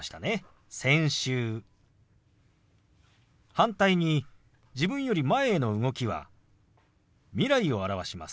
反対に自分より前への動きは未来を表します。